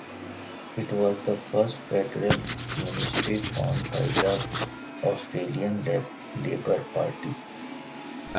It was the first federal ministry formed by the Australian Labor Party.